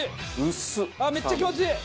めっちゃ気持ちいい！